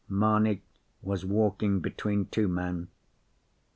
Mamie was walking between two men.